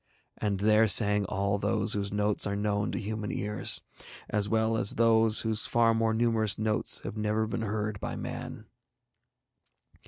And there sang all those whose notes are known to human ears, as well as those whose far more numerous notes have been never heard by man.